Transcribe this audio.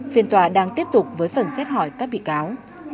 phiên tòa đang tiếp tục với phần xét hỏi các bị cáo